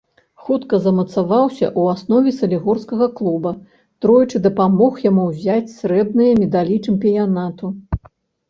Хутка замацаваўся ў аснове салігорскага клуба, тройчы дапамог яму ўзяць срэбныя медалі чэмпіянату.